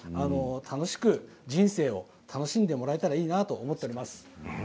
楽しく人生を楽しんでもらえたらいいなと思っています。